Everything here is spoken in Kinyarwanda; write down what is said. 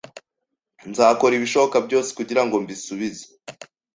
Nzakora ibishoboka byose kugirango mbisubize.